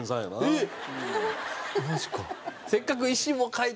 えっ？